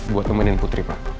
buat nemenin putri pak